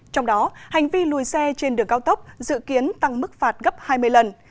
trong đó hành vi lùi xe trên đường cao tốc dự kiến tăng mức phạt gấp hai mươi lần